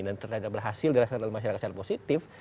dan ternyata berhasil di masyarakat secara positif